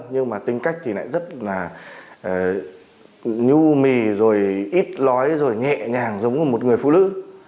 nhưng mà tính cách thì lại rất là nhu mì rồi ít lói rồi nhẹ nhàng giống của một người phụ nữ